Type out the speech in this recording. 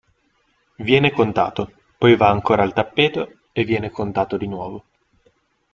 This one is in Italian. Viene contato, poi va ancora al tappeto e viene contato di nuovo.